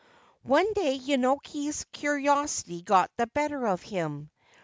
One day Yenoki's curiosity got the better of him.